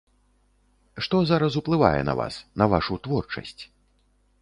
Што зараз ўплывае на вас, на вашу творчасць?